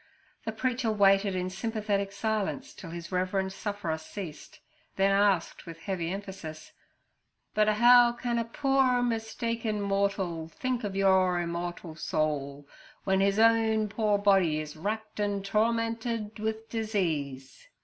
The preacher waited in sympathetic silence till his reverend sufferer ceased, then asked, with heavy emphasis, 'But how can a poo er r mistaken mortal l think of your r immortal I soul I, when n his s own poor r body is racked and tormented d with disease?'